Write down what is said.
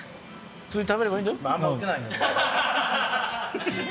普通に食べればいいんだよ。